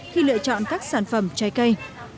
khi lựa chọn các sản phẩm trái cây